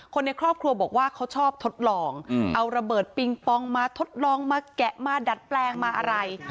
คนในครอบครัวบอกว่าเขาชอบทดลองเอาระเบิดปิงปองมาทดลองมาแกะมาดัดแปลงมาอะไร